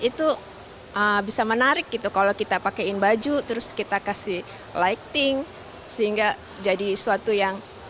itu bisa menarik gitu kalau kita pakaiin baju terus kita kasih lighting sehingga jadi suatu yang